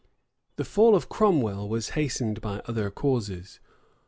The fall of Cromwell was hastened by other causes.